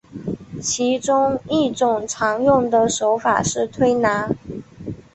其中一种常用的手法是推拿。